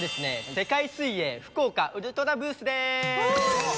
世界水泳福岡ウルトラブースです。